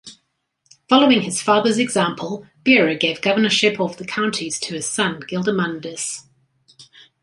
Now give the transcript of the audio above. Following his father's example, Bera gave governship of the counties to his son Guillemundus.